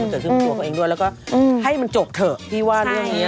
แล้วก็ให้มันจบเถอะพี่ว่าเรื่องนี้